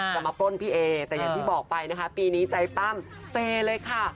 จะมาปล้นพี่เอแต่อย่างที่บอกไปนะคะปีนี้ใจปั้มเปย์เลยค่ะ